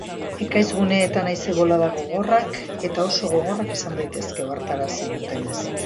Ekaitz-guneetan haize-boladak gogorrak edo oso gogorrak izan daitezke, ohartarazi dutenez.